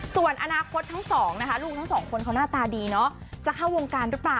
ส่วนอนาคตทั้ง๒ลูกทั้ง๒คนเขาน่าตาดีจะเข้าวงการหรือเปล่า